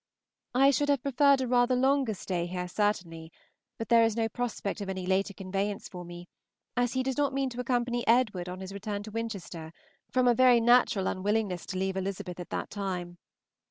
I should have preferred a rather longer stay here certainly, but there is no prospect of any later conveyance for me, as he does not mean to accompany Edward on his return to Winchester, from a very natural unwillingness to leave Elizabeth at that time.